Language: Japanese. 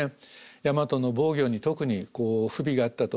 大和の防御に特に不備があったと。